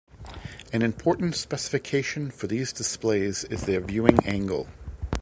An important specification for these displays is their viewing-angle.